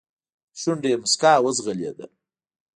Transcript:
په شونډو يې موسکا وځغلېده.